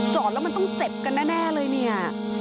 จอดแล้วมันต้องเจ็บกันแน่เลยเนี่ย